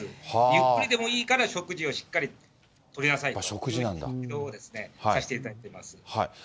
ゆっくりでもいいから食事をしっかり取りなさいと。というのをさせていただいてます。